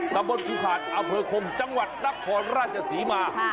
ตำบลปิวศาสตร์อเภอโคมจังหวัดนับขอราชสีมา